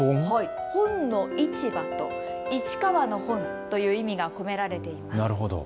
本の市場と市川の本という意味が込められています。